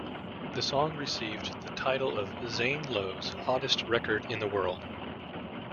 The song received the title of Zane Lowe's "Hottest Record in the World".